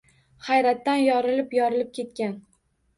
Hayratdan yorilib-yorilib ketgan.